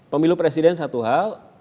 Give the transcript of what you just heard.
pemilu presiden satu hal